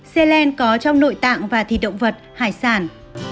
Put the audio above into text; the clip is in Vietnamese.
xelene có trong nội tạng và thịt động vật hải sản